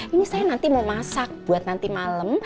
ini saya nanti mau masak buat nanti malam